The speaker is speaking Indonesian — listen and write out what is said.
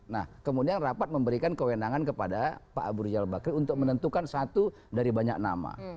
nah kemudian rapat memberikan kewenangan kepada pak abu rizal bakri untuk menentukan satu dari banyak nama